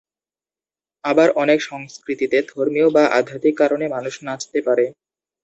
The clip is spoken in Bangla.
আবার অনেক সংস্কৃতিতে ধর্মীয় বা আধ্যাত্মিক কারণে মানুষ নাচতে পারে।